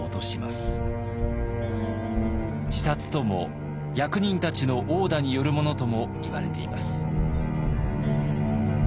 自殺とも役人たちの殴打によるものともいわれています。